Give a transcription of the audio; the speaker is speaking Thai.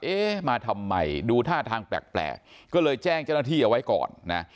เอ๊ะมาทำไมดูท่าทางแปลกก็เลยแจ้งเจ้าหน้าที่เอาไว้ก่อนนะ